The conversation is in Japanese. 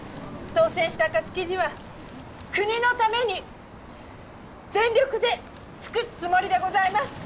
当選した暁には国のために全力で尽くすつもりでございます。